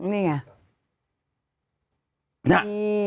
นี่ไง